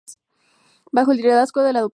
Bajo el liderazgo de la Dra.